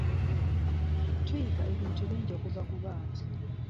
Tuyiga ebintu bingi okuva ku baana.